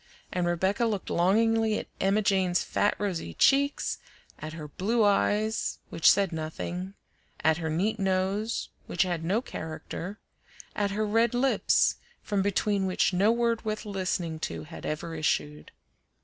And Rebecca looked longingly at Emma Jane's fat, rosy cheeks; at her blue eyes, which said nothing; at her neat nose, which had no character; at her red lips, from between which no word worth listening to had ever issued.